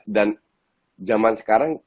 dan zaman sekarang